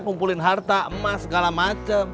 kumpulin harta emas segala macam